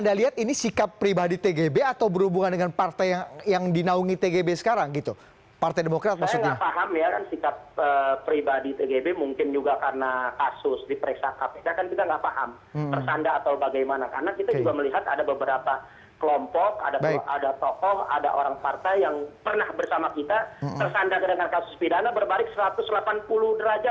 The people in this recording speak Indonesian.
kalau nggak kepepet dia akan menjaga harga diri yang menghargai sebagai seorang ulama yang harus memang membela ulama